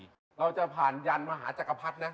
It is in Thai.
เราจะผ่านยันมหาจักรพรรดินะ